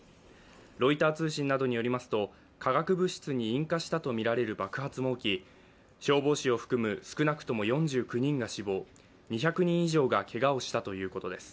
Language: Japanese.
ロイター通信などによりますと化学物質に引火したとみられる爆発も起き消防士を含む少なくとも４９人が死亡、２００人以上がけがをしたということです。